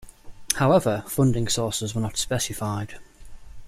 However, funding sources were not specified.